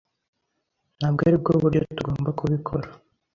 Ntabwo aribwo buryo tugomba kubikora.